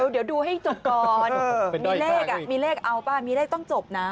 เดี๋ยวดูให้จบก่อนมีเลขอ้าวปะมีเลขต้องจบน้า